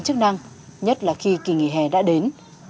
chức năng nhất là khi kỳ nghỉ hè đã đến